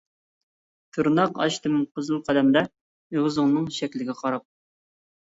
تىرناق ئاچتىم قىزىل قەلەمدە، ئېغىزىڭنىڭ شەكلىگە قاراپ.